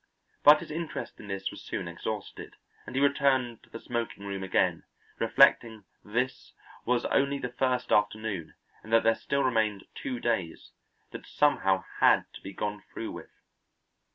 But his interest in this was soon exhausted, and he returned to the smoking room again, reflecting that this was only the first afternoon and that there still remained two days that somehow had to be gone through with.